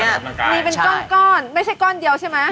มีเป็นก้อนไม่ใช่ก้อนเดียวใช่ไหม